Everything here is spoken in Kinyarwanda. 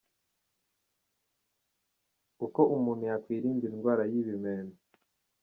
Uko umuntu yakwirinda indwara y’ibimeme :.